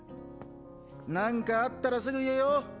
なんかあったらすぐ言えよー。